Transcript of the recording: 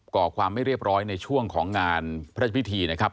ก่อความไม่เรียบร้อยในช่วงของงานพระราชพิธีนะครับ